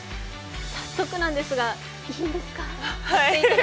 早速なんですが、いいですか。